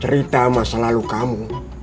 cerita masa lalu kamu